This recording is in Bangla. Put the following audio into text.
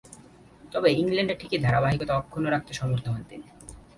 তবে ইংল্যান্ডে ঠিকই ধারাবাহিকতা অক্ষুণ্ণ রাখতে সমর্থ হন তিনি।